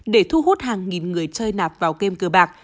để thu hút hàng nghìn người chơi nạp vào game cờ bạc